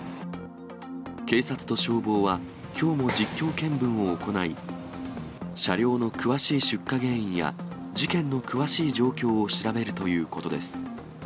警察と消防は、きょうも実況見分を行い、車両の詳しい出火原因や、事件の詳しい状況を調べるということです。